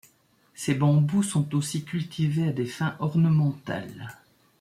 Ces bambous sont aussi cultivés à des fins ornementales.